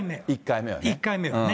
１回目はね。